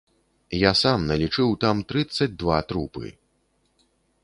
Я сам налічыў там трыццаць два трупы.